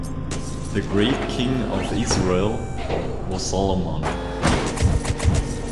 The "great king of Israel" was Solomon.